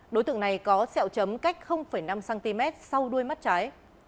đối tượng này có sẹo chấm cách năm cm sau đuôi mắt trái